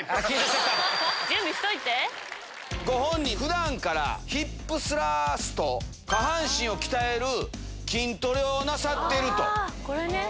ご本人、ふだんからヒップスラスト、下半身を鍛える筋トレをなさってこれね。